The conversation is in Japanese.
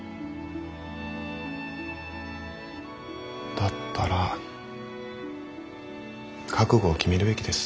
だったら覚悟を決めるべきです。